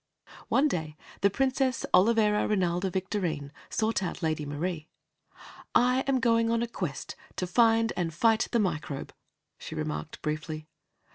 One day the Princess Olivera Rinalda Victorine sought out Lady Marie. "I am going on a quest, to find and fight the Microbe," she remarked briefly.